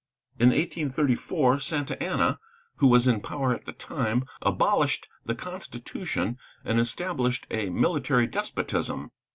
In 1834 Santa Anna, who was in power at the time, abolished the constitution and established a military despotism.